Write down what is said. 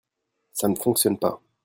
Ça ne fonctionne pas.